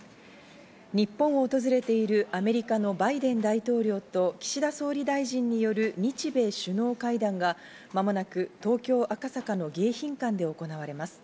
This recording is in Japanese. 日本を訪れているアメリカのバイデン大統領と岸田総理大臣による日米首脳会談が間もなく東京・赤坂の迎賓館で行われます。